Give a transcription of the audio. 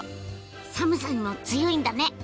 寒さにも強いんだね！